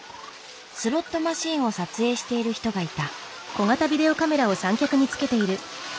スロットマシンを撮影している人がいた。